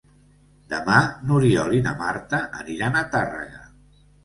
Demà n'Oriol i na Marta aniran a Tàrrega.